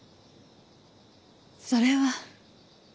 それは。